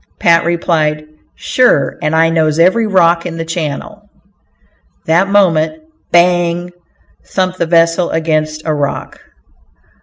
Pat replied, "Sure and I knows every rock in the channel." That moment, "bang" thumped the vessel against a rock.